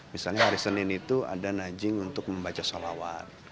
misalnya hari senin itu ada najing untuk membaca sholawat